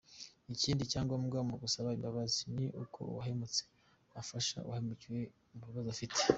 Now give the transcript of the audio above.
Ikindi cya ngombwa mu gusaba imbabazi, ni uko uwahemutse afasha uwahemukiwe mu bibazo afite.